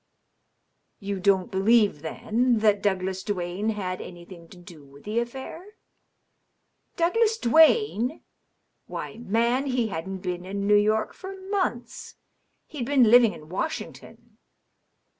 " You don't believe, then, that Douglas Duane had anything to do with the affau ?"" Douglas Duane ! Why, man, he hadn't been in New York for months. He'd been living in Washington.